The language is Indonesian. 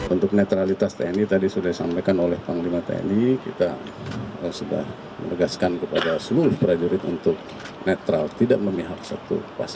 untuk netralitas tni tadi sudah disampaikan oleh panglima tni kita sudah menegaskan kepada seluruh prajurit untuk netral tidak memihak satu pasangan